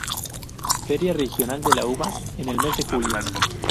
Feria Regional de la Uva en el mes de julio